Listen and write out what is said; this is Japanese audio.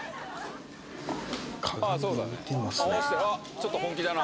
ちょっと本気だな。